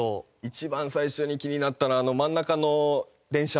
一番最初に気になったのは真ん中の電車。